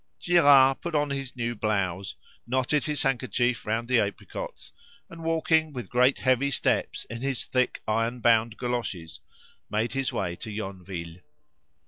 Girard put on his new blouse, knotted his handkerchief round the apricots, and walking with great heavy steps in his thick iron bound galoshes, made his way to Yonville.